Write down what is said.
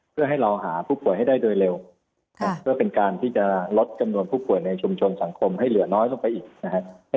เพื่อให้เราหาผู้ป่วยให้ได้โดยเร็วเพื่อเป็นการที่จะลดจำนวนผู้ป่วยในชุมชนสังคมให้เหลือน้อยลงไปอีกนะครับ